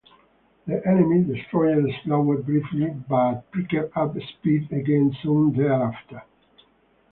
The enemy destroyer slowed briefly but picked up speed again soon thereafter.